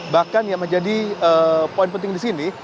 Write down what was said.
bahkan yang menjadi poin penting disini